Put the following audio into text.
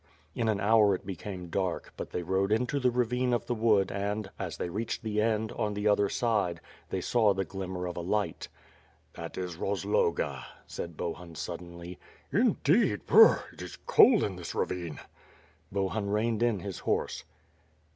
In an hour it became dark, but they rode into the ravine of the wood and, as they reached the end, on the other side, they saw Uie glimmer of a light. "That i.^ Rozloga," said Bohun suddenly. "Indecfl. >)rrr! it is cold in this ravine." Bohun reined in his horse.